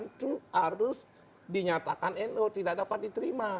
itu harus dinyatakan no tidak dapat diterima